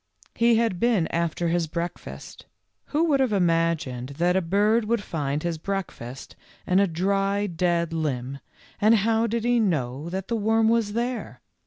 He had been after his breakfast. Who would have imagined that a bird would find his break fast in a dry, dead limb, and how did he know that the worm was there?